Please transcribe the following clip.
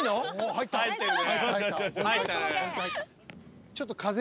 入ったね。